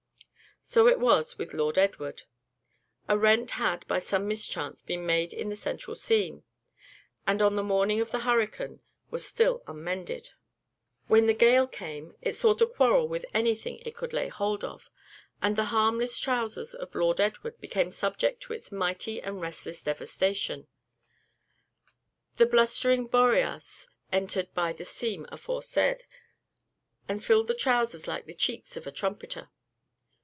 So it was with Lord Edward. A rent had, by some mischance been made in the central seam, and, on the morning of the hurricane, was still unmended. When the gale came, it sought a quarrel with any thing it could lay hold of, and the harmless trowsers of Lord Edward became subject to its mighty and resistless devastation; the blustering Boreas entered by the seam aforesaid, and filled the trowsers like the cheeks of a trumpeter.